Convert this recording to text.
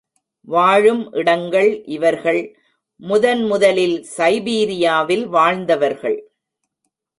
வாழும் இடங்கள் இவர்கள் முதன் முதலில் சைபீரியாவில் வாழ்ந்தவர்கள்.